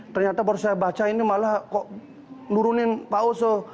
ternyata baru saya baca ini malah kok nurunin pak oso